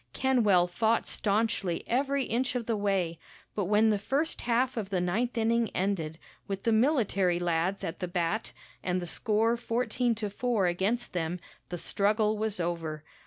Kenwell fought staunchly every inch of the way, but when the first half of the ninth inning ended, with the military lads at the bat and the score fourteen to four against them, the struggle was over.